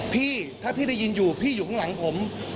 พี่ถ้าพี่ได้ยินอยู่พี่อยู่ข้างหลังผม